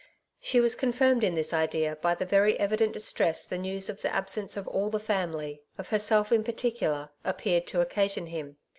She was con firmed in this idea by the very evident distress the news of the absence of all the £imily^ of herself in paiticolar^ appeared to occasion him.